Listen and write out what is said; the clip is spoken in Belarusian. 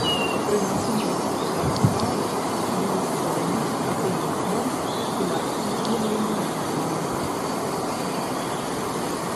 Рэлігійнасць і праваслаўе імкнуліся замяніць атэізмам і марксізмам-ленінізмам.